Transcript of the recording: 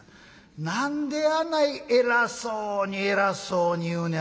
何であない偉そうに偉そうに言うねやろなあ。